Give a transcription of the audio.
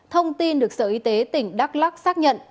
thông tin được sở y tế tỉnh đắk lắc xác nhận